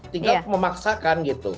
tinggal memaksakan gitu